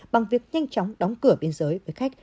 bằng việc nhanh chóng đóng cửa biên giới với khách